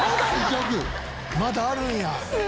「まだあるんや」